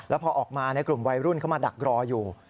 แล้วพอออกมาในกลุ่มวัยรุ่นเข้ามาดักรออยู่